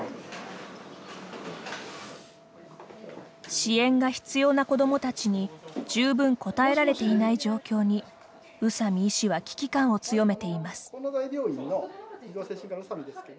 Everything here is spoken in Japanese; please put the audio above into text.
支援が必要な子どもたちに十分応えられていない状況に宇佐美医師は危機感を強めています。